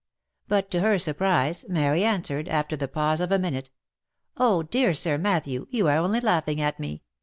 But, to her great surprise, Mary answered, after the pause of a mi nute, " Oh, dear Sir Matthew! you are only laughing at me!"